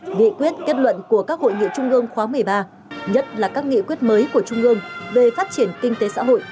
nghị quyết kết luận của các hội nghị trung ương khóa một mươi ba nhất là các nghị quyết mới của trung ương về phát triển kinh tế xã hội